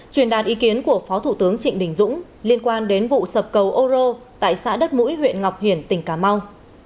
truyền đàn ý kiến của phó thủ tướng trịnh đình dũng liên quan đến vụ sập cầu oro tại xã đất mũi huyện ngọc hiển tỉnh cà mau